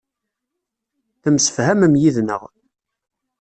Temsefhamem yid-neɣ.